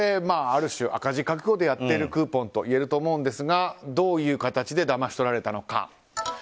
ある種、赤字覚悟でやっているクーポンといえると思うんですがどういう形でだまし取られたのか。